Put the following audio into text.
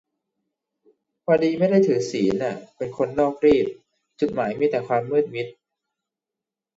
พอดีไม่ได้ถือศีลอะ เป็นคนนอกรีต จุดหมายมีแต่ความมืดมิด